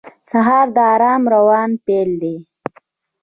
سهار د آرام روان پیل دی.